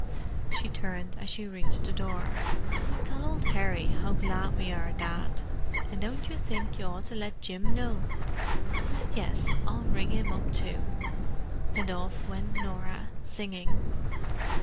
She turned as she reached the door. "Tell old Harry how glad we are, Dad. And don't you think you ought to let Jim know?" "Yes—I'll ring him up too." And off went Norah, singing.